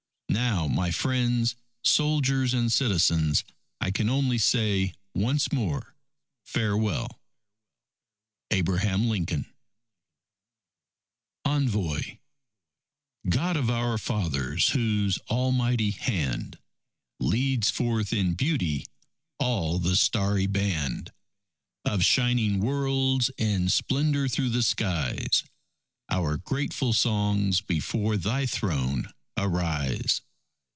Now, my friends soldiers and citizens I can only say once more, Farewell. ABRAHAM LINCOLN ENVOY God of our Fathers, whose almighty hand Leads forth in beauty, all the starry band Of shining worlds, in splendour thro' the skies, Our grateful songs, before Thy throne arise.